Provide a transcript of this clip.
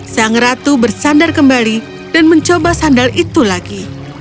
sang ratu bersandar kembali dan mencoba sandal itu lagi